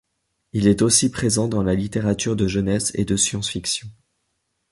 Il est aussi présent dans la littérature de jeunesse et de science-fiction.